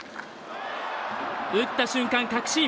打った瞬間、確信！